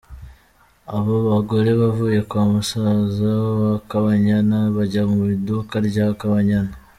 Abo bagore bavuye kwa Musaza wa Kabanyana bajya mu iduka rya Kabanyana.